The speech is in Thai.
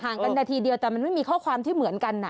กันนาทีเดียวแต่มันไม่มีข้อความที่เหมือนกัน